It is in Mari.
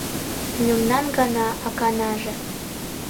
Мемнан гына аканаже